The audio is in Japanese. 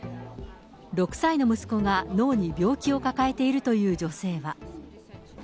６歳の息子が脳に病気を抱えているという女性は。